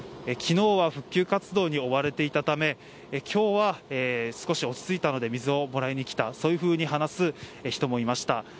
昨日は復旧活動に追われていたため今日は少し落ち着いたので水をもらいに来たそういうふうに話す人もいました。